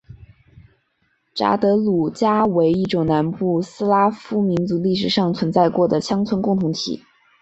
札德鲁加为一种南部斯拉夫民族历史上存在过的乡村共同体。